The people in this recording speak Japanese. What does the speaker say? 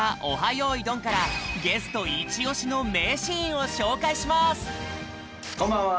よいどん」からゲストいちおしのめいシーンをしょうかいしますこんばんは！